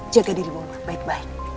jaga diri baik baik